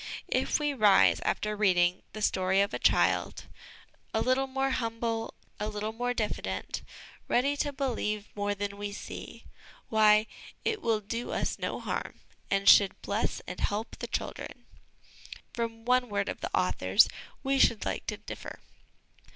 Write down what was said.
If we rise, after reading The Story of a Child, 1 a little more humble, a little more diffident, ready to believe more than we see, why, it will do us no harm, and should bless and help the children. From one word of the author's we should like to differ.